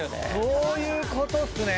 そういうことっすね。